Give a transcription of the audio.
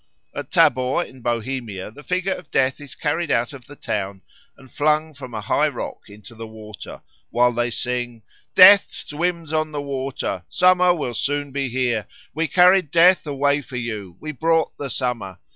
At Tabor in Bohemia the figure of Death is carried out of the town and flung from a high rock into the water, while they sing "Death swims on the water, Summer will soon be here, We carried Death away for you We brought the Summer.